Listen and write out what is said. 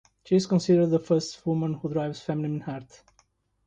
She is considered the "first woman who drives feminine art".